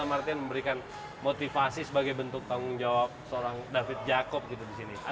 atau memberikan motivasi sebagai bentuk tanggung jawab seorang david jacobs gitu di sini